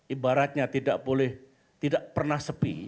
ibaratnya tidak boleh tidak pernah sepi